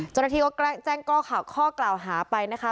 จนทีก็แจ้งกล้าข่าวข้อกล่าวหาไปนะคะ